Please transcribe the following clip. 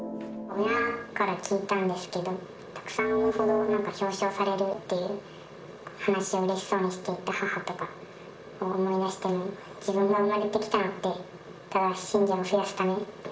親から聞いたんですけど、たくさん産むほど、表彰されるっていう話をうれしそうにしていた母とかを思い出しても、自分が産まれてきたのって、ただ信者を増やすため。